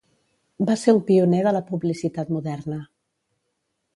Va ser un pioner de la publicitat moderna.